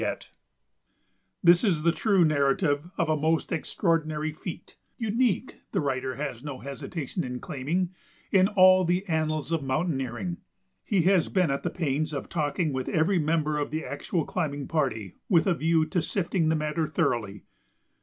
[Sidenote: Lloyd and McGonogill] This is the true narrative of a most extraordinary feat, unique the writer has no hesitation in claiming in all the annals of mountaineering. He has been at the pains of talking with every member of the actual climbing party with a view to sifting the matter thoroughly.